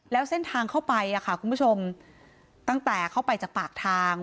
แล้วเส้นทางเข้าไปคุณผู้ชมตั้งแต่เข้าไปจากปากทาง